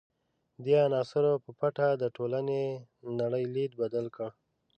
دې عناصرو په پټه د ټولنې نړۍ لید بدل کړ.